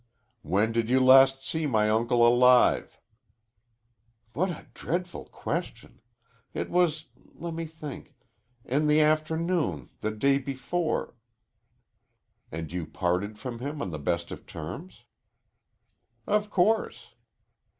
"When did you last see my uncle alive?" "What a dreadful question! It was let me think in the afternoon the day before " "And you parted from him on the best of terms?" "Of course."